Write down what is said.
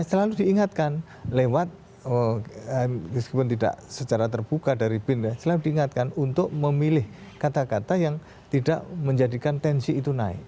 selalu diingatkan lewat meskipun tidak secara terbuka dari bin ya selalu diingatkan untuk memilih kata kata yang tidak menjadikan tensi itu naik